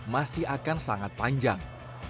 masih akan sangat panjang